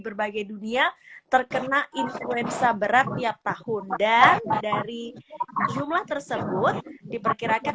berbagai dunia terkena influenza berat tiap tahun dan dari jumlah tersebut diperkirakan